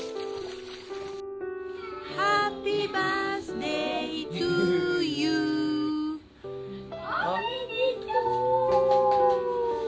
「ハッピーバースデイトゥユー」おめでとう！